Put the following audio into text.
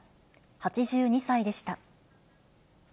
８２歳でした。